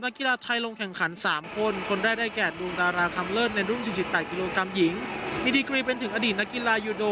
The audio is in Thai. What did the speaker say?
มีดีกรีย์เป็นถึงอดีตนักกีฬายูโด